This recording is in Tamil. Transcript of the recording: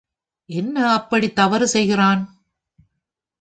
என்ன அப்படி அவன் தவறு செய்கிறான்?